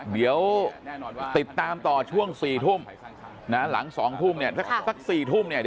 เดี๋ยวติดตามต่อช่วง๔ทุ่มหลัง๒ทุ่มสัก๔ทุ่ม